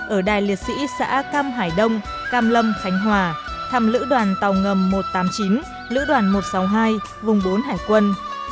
ở đài liệt sĩ xã cam hải đông cam lâm khánh hòa thăm lữ đoàn tàu ngầm một trăm tám mươi chín lữ đoàn một trăm sáu mươi hai vùng bốn hải quân